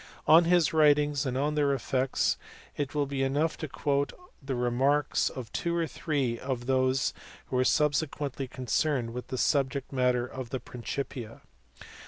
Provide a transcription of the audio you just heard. On his writings and on their effects, it will be enough to quote the remarks of two or three of those who were subsequently concerned with the subject matter of the Principia.